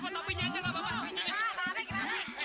pokoknya gua enggak tahu